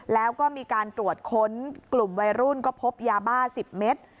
แล้วก็มีการตรวจค้นกลุ่มวัยรุ่นก็พบยาบ้า๑๐เมตร